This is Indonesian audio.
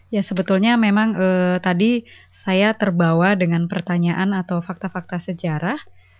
ya sebetulnya memang tadi saya terbawa dengan pertanyaan atau fakta fakta sejarah